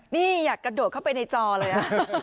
นี่อยากกระโดดเข้าไปในจอเลย